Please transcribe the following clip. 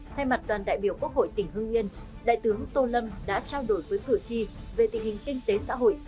thay mặt đoàn đại biểu quốc hội tỉnh hương yên đại tướng tô lâm đã trao đổi với cử tri về tình hình kinh tế xã hội